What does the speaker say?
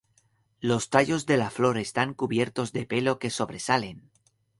Los tallos de la flor están cubiertos de pelo que sobresalen.